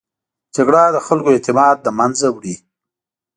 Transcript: جګړه د خلکو اعتماد له منځه وړي